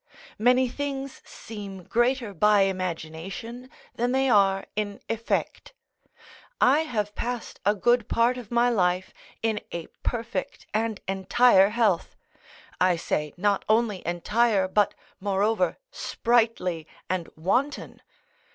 Many things seem greater by imagination than they are in effect; I have passed a good part of my life in a perfect and entire health; I say, not only entire, but, moreover, sprightly and wanton.